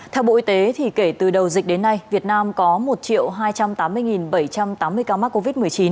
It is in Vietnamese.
theo bộ y tế kể từ đầu dịch đến nay việt nam có một hai trăm tám mươi bảy trăm tám mươi ca mắc covid một mươi chín